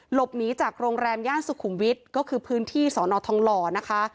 หลบหนีจากโรงแรมย่านสุขุมวิทย์ก็คือพื้นที่สอนอทองหล่อนะคะ